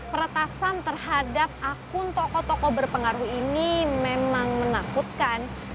peretasan terhadap akun tokoh tokoh berpengaruh ini memang menakutkan